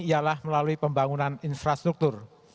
ialah melalui pembangunan infrastruktur